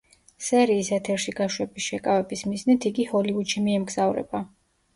სერიის ეთერში გაშვების შეკავების მიზნით იგი ჰოლივუდში მიემგზავრება.